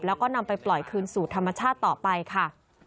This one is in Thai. แล้วก็นำไปปล่อยคืนสู่ธรรมชาติต่อไปค่ะ